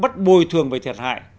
tổ chức thiệt hại